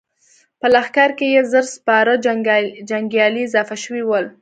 په لښکر کې يې زر سپاره جنګيالي اضافه شوي ول.